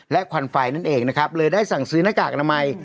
และควันไฟนั่นเองนะครับเลยได้สั่งซื้อหน้ากากอนามัย